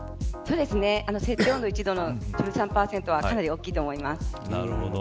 設定温度の１度１３％は大きいと思います。